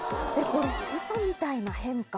これ、ウソみたいな変化。